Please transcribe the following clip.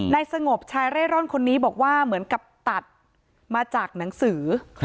สงบชายเร่ร่อนคนนี้บอกว่าเหมือนกับตัดมาจากหนังสือ